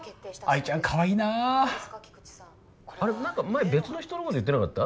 愛ちゃんカワイイなあ別の人のこと言ってなかった？